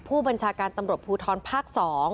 ผู้บัญชาการตำรวจภูทรภาค๒